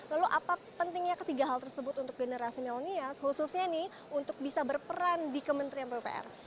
lalu apa pentingnya ketiga hal tersebut untuk generasi milenial khususnya nih untuk bisa berperan di kementerian ppr